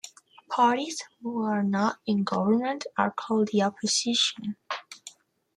Parties who are not in government are called "the opposition".